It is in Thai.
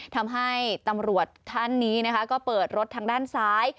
ทำให้ตำรวจท่านนี้นะคะก็เปิดรถทางด้านซ้าย